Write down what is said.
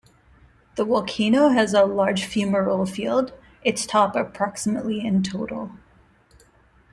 The volcano has a large fumarole field, its top approximately in total.